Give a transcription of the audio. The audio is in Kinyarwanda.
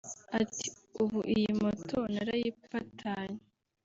Ati “Ubu iyi moto narayipatanye